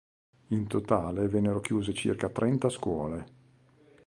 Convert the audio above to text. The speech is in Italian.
In totale vennero chiuse circa trenta scuole.